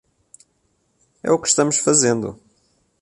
É o que estamos fazendo.